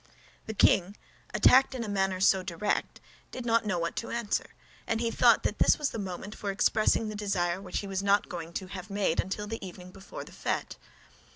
The king, attacked in a manner so direct, did not know what to answer; and he thought that this was the moment for expressing the desire which he was not going to have made until the evening before the fête.